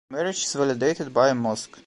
The marriage is validated by a mosque.